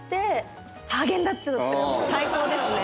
最高ですね。